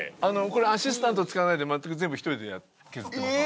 これアシスタント使わないで全く全部一人で削ってます。